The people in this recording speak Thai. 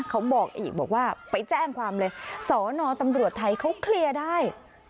เขาบอกอีกบอกว่าไปแจ้งความเลยสอนอตำรวจไทยเขาเคลียร์ได้